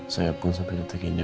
saya pun sampai detik ini